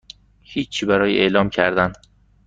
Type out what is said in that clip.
هیچی برای اعلام کردن